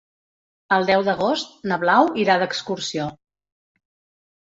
El deu d'agost na Blau irà d'excursió.